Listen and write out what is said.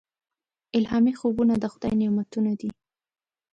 الهامي خوبونه د خدای نعمتونه دي.